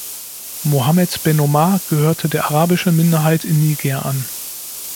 Mohamed Ben Omar gehörte der arabischen Minderheit in Niger an.